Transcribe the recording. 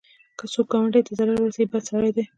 که څوک ګاونډي ته ضرر ورسوي، بد سړی دی